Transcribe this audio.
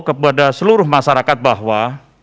kepada seluruh masyarakat bahwa